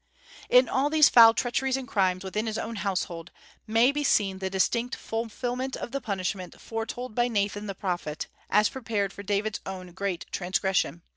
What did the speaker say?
In all these foul treacheries and crimes within his own household may be seen the distinct fulfilment of the punishment foretold by Nathan the prophet, as prepared for David's own "great transgression."